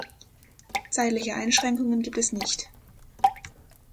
Zeitliche Einschränkungen gibt es nicht.